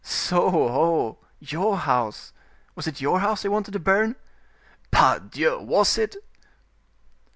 "So, ho, your house—was it your house they wanted to burn?" "Pardieu! was it!"